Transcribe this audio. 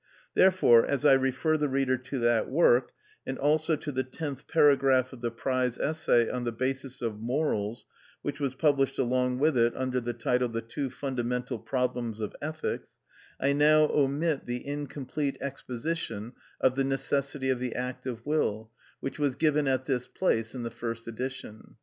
Therefore, as I refer the reader to that work, and also to the tenth paragraph of the prize essay on the basis of morals, which was published along with it under the title "The Two Fundamental Problems of Ethics," I now omit the incomplete exposition of the necessity of the act of will, which was given at this place in the first edition.